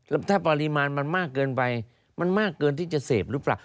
แล้วถ้าปริมาณมันมากเกินไปมันมากเกินที่จะเสพหรือเปล่า